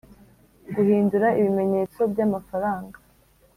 guhindura ibimenyetso by amafaranga